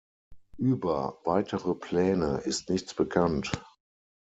Über weitere Pläne ist nichts bekannt.